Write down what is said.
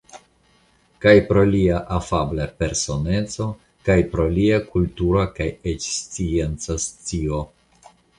Kaj pro lia afabla personeco kaj pro lia kultura kaj eĉ scienca scio.